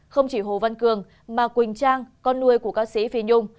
không chỉ hồ văn cường mà quỳnh trang con nuôi của ca sĩ phi nhung